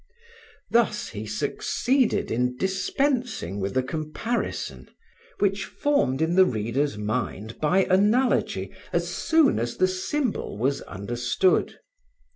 Thus he succeeded in dispensing with the comparison, which formed in the reader's mind by analogy as soon as the symbol was understood.